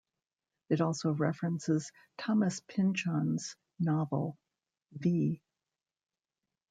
It also references Thomas Pynchon's novel, "V.".